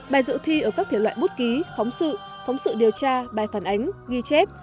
bài dự thi ở các thể loại bút ký phóng sự phóng sự điều tra bài phản ánh ghi chép